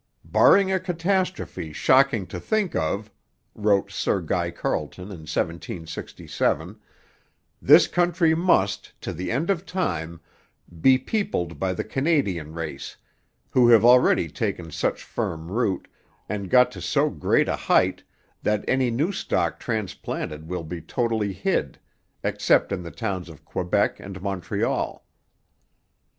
'Barring a catastrophe shocking to think of,' wrote Sir Guy Carleton in 1767, 'this country must, to the end of time, be peopled by the Canadian race, who have already taken such firm root, and got to so great a height, that any new stock transplanted will be totally hid, except in the towns of Quebec and Montreal.'